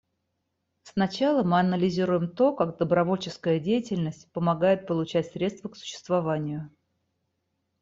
Сначала мы анализируем то, как добровольческая деятельность помогает получать средства к существованию.